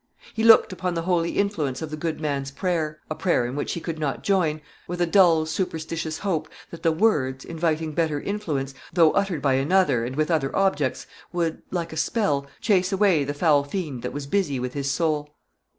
He looked upon the holy influence of the good man's prayer a prayer in which he could not join with a dull, superstitious hope that the words, inviting better influence, though uttered by another, and with other objects, would, like a spell, chase away the foul fiend that was busy with his soul.